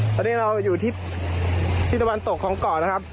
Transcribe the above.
ตอนนี้เราอยู่ที่ตะวันตกของเกาะนะครับ